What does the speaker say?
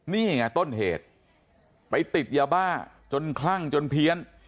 นี่ไงต้นเหตุไปติดยาบ้าจนคลั่งจนเพี้ยน